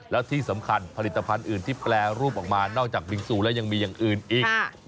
แล้วที่สำคัญผลิตภัณฑ์อื่นที่แปรรูปออกมานอกจากบิงซูแล้วยังมีอย่างอื่นอีก